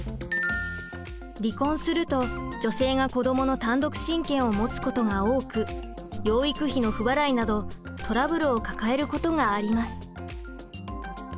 離婚すると女性が子どもの単独親権を持つことが多く養育費の不払いなどトラブルを抱えることがあります。